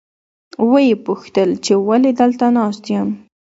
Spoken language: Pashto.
ویې پوښتل چې ولې دلته ناست یم.